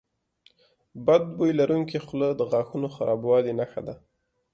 بد بوی لرونکي خوله د غاښونو خرابوالي نښه ده.